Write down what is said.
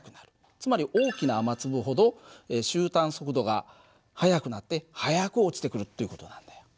つまり大きな雨粒ほど終端速度が速くなって速く落ちてくるという事なんだよ。